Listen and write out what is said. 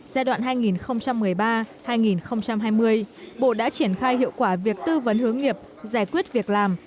giai đoạn hai nghìn một mươi ba hai nghìn hai mươi bộ đã triển khai hiệu quả việc tư vấn hướng nghiệp giải quyết việc làm